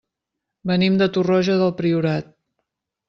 Venim de Torroja del Priorat.